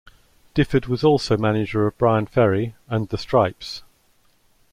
Difford was also manager of Bryan Ferry and The Strypes.